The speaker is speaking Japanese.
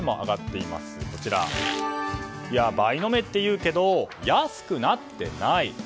いや、倍飲めっていうけど安くなってない。